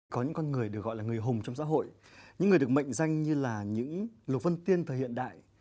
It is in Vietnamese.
có những con người được gọi là người hùng trong xã hội những người được mệnh danh như là những lục văn tiên thời hiện đại